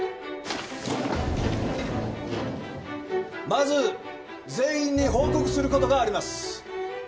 まず全員に報告する事があります。